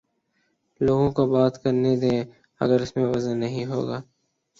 لوگوں کو بات کر نے دیں اگر اس میں وزن نہیں ہو گا۔